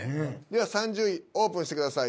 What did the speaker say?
３０位オープンしてください